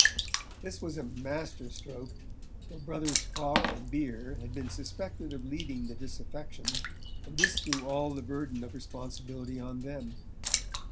This was a master stroke, for Brothers Fawkes and Bere had been suspected of leading the disaffection, and this threw all the burden of responsibility on them.